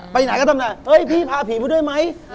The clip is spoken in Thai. ไปไหนก็ต้องได้พี่พาผีมาด้วยไหม